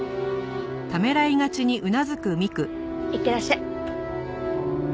いってらっしゃい。